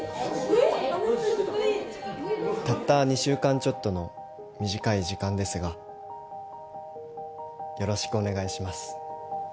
たった２週間ちょっとの短い時間ですがよろしくお願いします